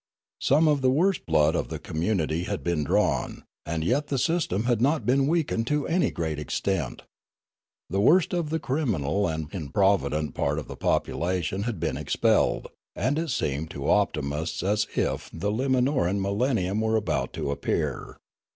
Some of the worst blood of the community had been drawn, and yet the system had not been weakened to any great extent. The worst of the criminal and improvident part of the population had been expelled ; and it seemed to optimists as if the Limanorau millennium were about to appear.